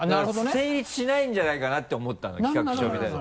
成立しないんじゃないかなと思ったの企画書見たとき。